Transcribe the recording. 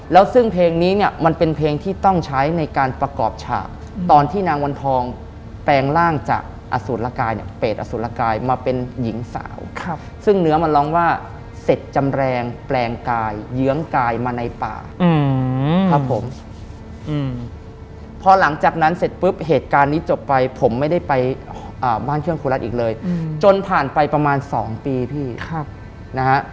แล้วซึ่งเพลงนี้เนี่ยมันเป็นเพลงที่ต้องใช้ในการประกอบฉากตอนที่นางวันทองแปลงร่างจากอสูตรละกายเนี่ยเปรตอสูตรละกายมาเป็นหญิงสาวซึ่งเนื้อมันร้องว่าเสร็จจำแรงแปลงกายเยื้องกายมาในป่าครับผมพอหลังจากนั้นเสร็จปุ๊บเหตุการณ์นี้จบไปผมไม่ได้ไปบ้านเครื่องครูรัฐอีกเลยจนผ่านไปประมาณ๒ปีพี่นะฮะ